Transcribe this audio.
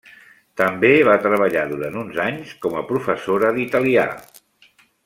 També va treballar durant uns anys com a professora d'italià.